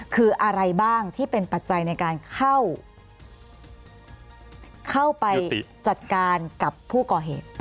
คืออะไรบ้างที่เป็นปัจจัยในการเข้าไปจัดการกับผู้ก่อเหตุ